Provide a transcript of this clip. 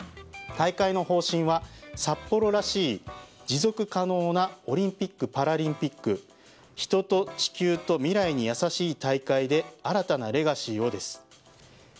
大会の方針は札幌らしい持続可能なオリンピック・パラリンピック人と地球と未来にやさしい大会で新たなレガシーを、です。